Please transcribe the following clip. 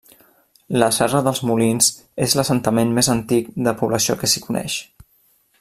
La serra dels Molins és l'assentament més antic de població que s'hi coneix.